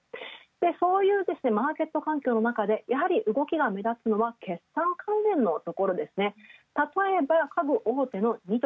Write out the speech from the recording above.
そういうマーケット環境の中でやはり動きが目立つのは決算関連の動き。